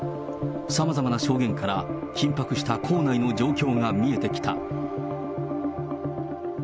さまざまな証言から緊迫した校内の状況が見えてきた。